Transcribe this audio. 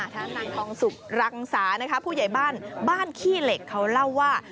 ทางนางทองสุกรังสานะคะผู้ใหญ่บ้านบ้านขี้เหล็กเขาเล่าว่า